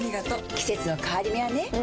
季節の変わり目はねうん。